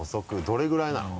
どれぐらいなの？